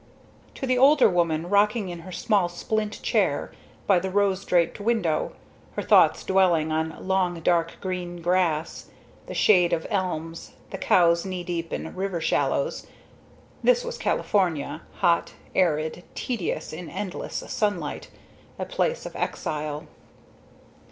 To the older woman rocking in her small splint chair by the rose draped window, her thoughts dwelling on long dark green grass, the shade of elms, and cows knee deep in river shallows; this was California hot, arid, tedious in endless sunlight a place of exile.